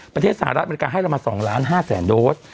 ประเทศสหรัฐอเมริกาให้เรามา๒๕๐๐๐โดส